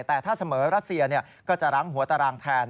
แต่ถ้าเสมอรัสเซียก็จะรั้งหัวตารางแทน